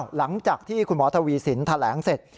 หลังจากที่คุณหมอทวีสินแถลงเสร็จ